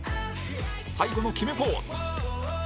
最後の決めポーズ